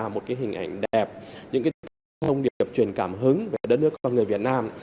một hình ảnh đẹp những thông điệp truyền cảm hứng về đất nước và người việt nam